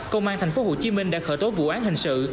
công an thành phố hồ chí minh đã khởi tố vụ án hình sự